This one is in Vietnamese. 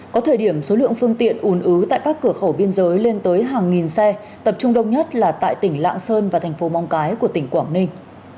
có thời điểm số lượng phương tiện ủn ứ tại các cửa khẩu biên giới lên tới hàng nghìn xe tập trung đông nhất là tại tỉnh lạng sơn và thành phố mong cái của tỉnh quảng ninh